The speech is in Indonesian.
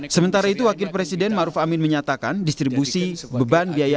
sementara itu wakil presiden maruf amin menyatakan distribusi beban biaya